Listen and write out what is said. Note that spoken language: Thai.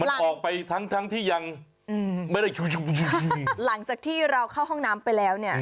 มันออกไปทั้งทั้งที่ยังไม่ได้ชูชุ่มหลังจากที่เราเข้าห้องน้ำไปแล้วเนี่ย